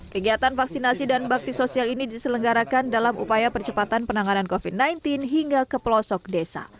kegiatan vaksinasi dan bakti sosial ini diselenggarakan dalam upaya percepatan penanganan covid sembilan belas hingga ke pelosok desa